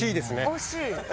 惜しい。